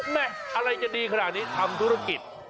อะไรจะดีขนาดนี้ทำธุรกิจ